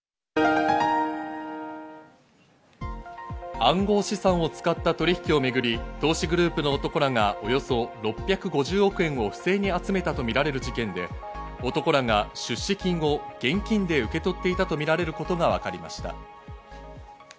暗号資産を使った取引をめぐり投資グループの男らがおよそ６５０億円を不正に集めたとみられる事件で、男らが出資金を現金で受け取っていたとみられることがわかりました。